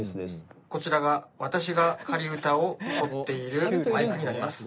こちらが私が仮歌を録っているマイクになります。